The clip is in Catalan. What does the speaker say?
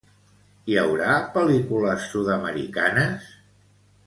Hi haurà pel·lícules sud-americanes?